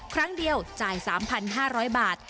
ครั้งเดียวจ่าย๓๕๐๐บาท